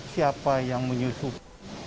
siapa yang menyusupi